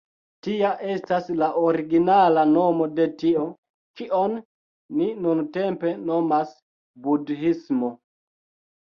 Tia estas la originala nomo de tio, kion ni nuntempe nomas budhismo.